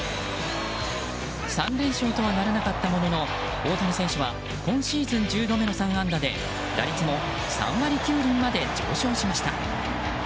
３連勝とはならなかったものの大谷選手は今シーズン１０度目の３安打で打率も３割９厘まで上昇しました。